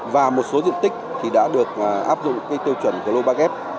và một số diện tích thì đã được áp dụng tiêu chuẩn global gap